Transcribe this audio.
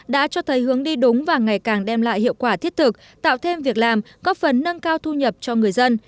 đã cho thấy hướng đi đúng và ngày càng đem lại hiệu quả thiết thực tạo thêm việc làm có phần nâng cao thu nhập cho người dân